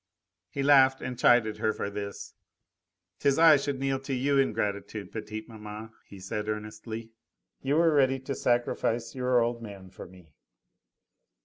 He laughed and chided her for this. "'Tis I should kneel to you in gratitude, petite maman," he said earnestly, "you were ready to sacrifice your old man for me."